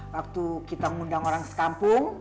waktu kita ngundang orang sekampung